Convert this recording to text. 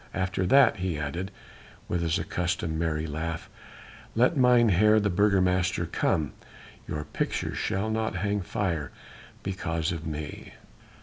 After that," he added with his accustomed merry laugh, "let Mynheer, the Burgomaster come, your picture shall not hang fire because of me."